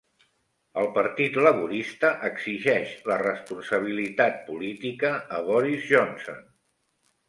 El Partit Laborista exigeix la responsabilitat política a Boris Johnson